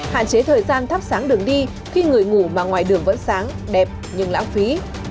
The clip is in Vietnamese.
hạn chế thời gian thắp sáng đường đi khi người ngủ mà ngoài đường vẫn sáng đẹp nhưng lãng phí